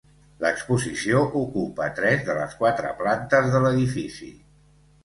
L'exposició ocupa tres de les quatre plantes de l'edifici.